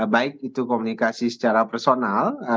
baik itu komunikasi secara personal